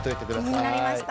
気になりました。